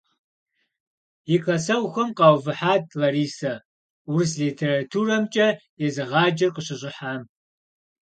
И классэгъухэм къаувыхьат Ларисэ, урыс литературэмкӀэ езыгъаджэр къыщыщӀыхьам.